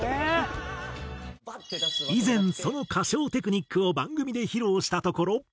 以前その歌唱テクニックを番組で披露したところ。